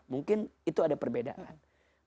mungkin itu ada perbedaan